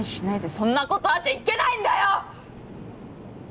そんなことあっちゃいけないんだよ！